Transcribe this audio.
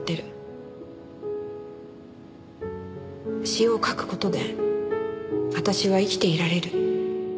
詩を書く事で私は生きていられる。